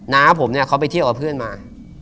น้าผมเนี่ยเขาไปเที่ยวกับเพื่อนมา